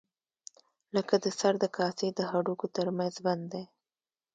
لکه د سر د کاسې د هډوکو تر منځ بند دی.